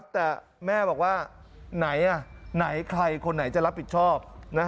แต่แม่บอกว่าไหนไหนใครคนไหนจะรับผิดชอบ